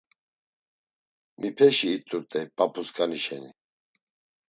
Mipeşi it̆urt̆ey p̌ap̌usǩani şeni?